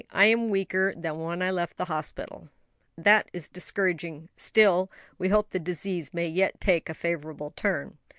"I am weaker than when I left the hospital." "Ah, that is discouraging; still, we will hope the disease may yet take a favorable turn."